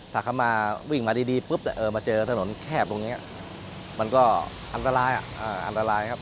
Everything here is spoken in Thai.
ถ้าเขามาวิ่งมาดีปุ๊บมาเจอถนนแคบตรงนี้มันก็อันตรายอันตรายครับ